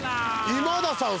今田さん